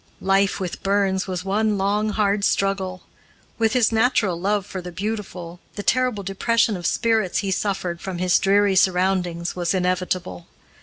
Life, with Burns, was one long, hard struggle. With his natural love for the beautiful, the terrible depression of spirits he suffered from his dreary surroundings was inevitable.